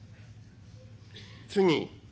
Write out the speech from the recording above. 「次。